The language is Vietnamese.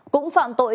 cũng phạm tội